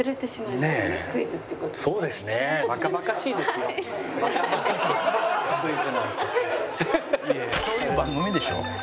「いやいやそういう番組でしょ」